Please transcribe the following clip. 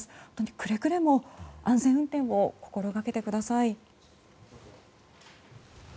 くれぐれも安全運転を心がけてください。